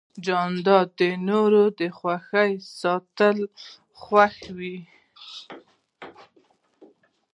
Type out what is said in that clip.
جانداد د نورو خوښ ساتل خوښوي.